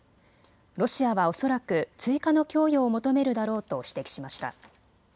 ロシアは恐らく追加の供与を求めるだろうと指摘しました。